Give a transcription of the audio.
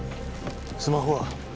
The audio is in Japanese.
スマホは？